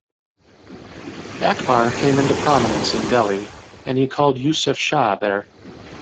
Akbar came into prominence in Delhi, and he called Yusuf Shah there.